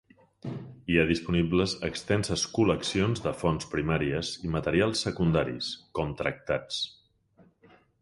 Hi ha disponibles extenses col·leccions de fonts primàries i materials secundaris, com tractats.